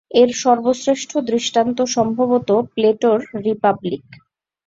এর সর্বশ্রেষ্ঠ দৃষ্টান্ত সম্ভবত প্লেটোর রিপাবলিক।